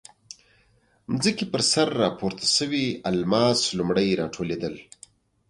ځمکې پر سر راپورته شوي الماس لومړی راټولېدل.